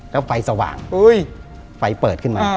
แล้วไฟสว่างไฟเปิดขึ้นมา